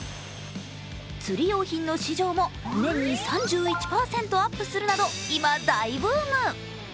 釣り用品の市場も年に３１％アップするなど今大ブーム。